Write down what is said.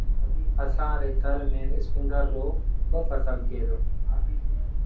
اسآݩ ري تر ميݩ اسپِنگر رو با ڦسل ٿئي دو